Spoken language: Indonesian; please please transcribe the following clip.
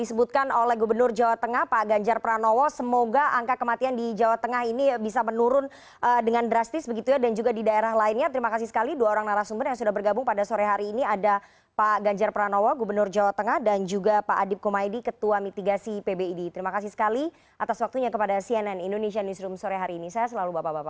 selamat sore mbak rifana